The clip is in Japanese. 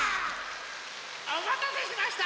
おまたせしました！